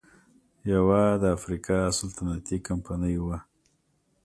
یوه د افریقا سلطنتي کمپنۍ وه.